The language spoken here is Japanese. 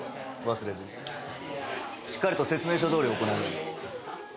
忘れずにしっかりと説明書どおり行うように。